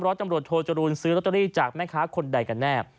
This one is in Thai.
ตำรวจโทจรูลซื้อลอตเตอรี่จากแม่ค้าคนใดกันแน่